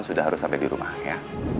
sudah harus sampai di rumah ya